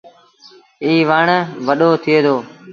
ايٚ وڻ وڏو ٿئي دو۔